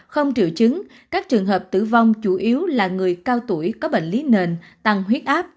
không triệu chứng các trường hợp tử vong chủ yếu là người cao tuổi có bệnh lý nền tăng huyết áp